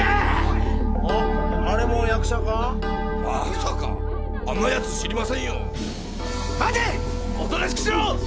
あんなやつ知りませんよ。